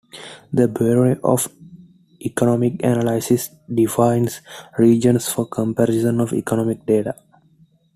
The Bureau of Economic Analysis defines regions for comparison of economic data.